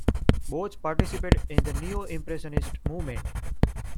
Boch participated in the Neo-Impressionist movement.